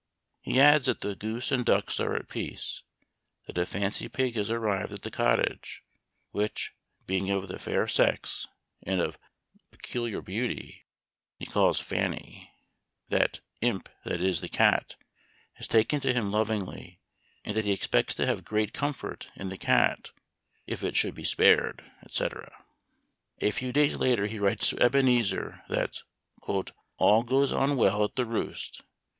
He adds that the geese and ducks are at peace ; that a fancy pig has arrived at the cottage, which, being of the fair sex, and of " peculiar beauty," he calls Fanny ; that " Imp," that is, the cat, has taken to him lovingly, and that he expects to have great com fort in that cat " if it should be spared," etc. A few days later he writes to Ebenezer that " all goes on well at the Roost.